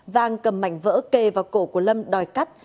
vang cầm mảnh vỡ kề vào cổ của lâm đòi cắt